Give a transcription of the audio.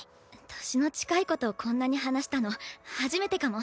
年の近い子とこんなに話したの初めてかも。